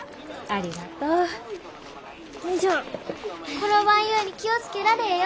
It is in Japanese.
転ばんように気を付けられえよ。